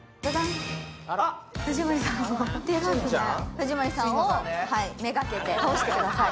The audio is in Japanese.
藤森さんを目がけて倒してください。